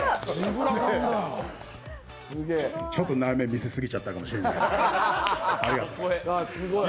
ちょっと内面見せすぎちゃったかもしれない。